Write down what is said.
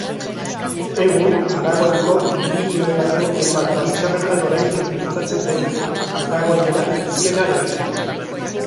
Egun Aragoiko Pirinioetako hainbat bazterretan oraindik mintzatzen dena, aragoiera izenarekin.